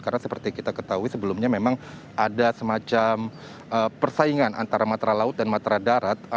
karena seperti kita ketahui sebelumnya memang ada semacam persaingan antara matra laut dan matra darat